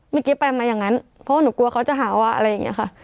เมื่อกี้ไปมาอย่างนั้นเพราะว่าหนูกลัวเขาจะหาว่าอะไรอย่างนี้ค่ะ